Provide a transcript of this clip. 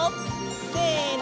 せの！